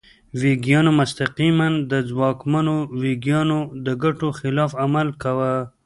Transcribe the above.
ویګیانو مستقیماً د ځواکمنو ویګیانو د ګټو خلاف عمل کاوه.